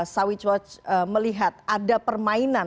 sawee chowch melihat ada permainan